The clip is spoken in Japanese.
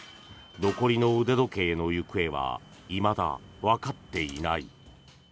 残りの腕時計の行方はいまだわかっていない。